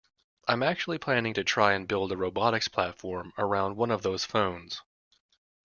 I'm actually planning to try and build a robotics platform around one of those phones.